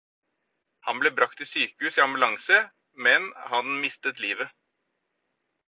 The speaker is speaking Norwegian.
Han ble brakt til sykehus i ambulanse, men han mistet livet.